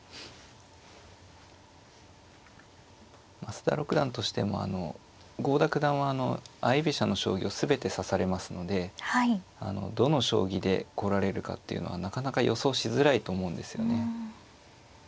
増田六段としても郷田九段は相居飛車の将棋を全て指されますのでどの将棋で来られるかっていうのはなかなか予想しづらいと思うんですよね。